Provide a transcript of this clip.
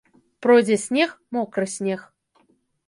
Пройдзе снег, мокры снег.